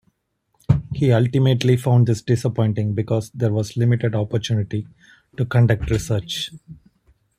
He ultimately found this disappointing because there was limited opportunity to conduct research.